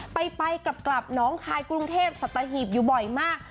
ไปกลับน้องคายกรุงเทพสัตหีบอยู่บ่อยมาก